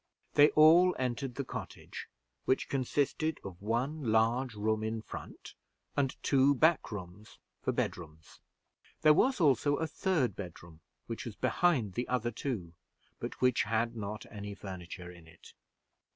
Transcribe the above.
They all entered the cottage, which consisted of one large room in front, and two back rooms for bedrooms. There was also a third bedroom, which was behind the other two, but which had not any furniture in it.